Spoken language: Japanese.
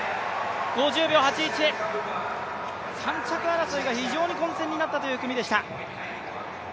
５０秒８１、３着争いが非常に混戦となったという組でした。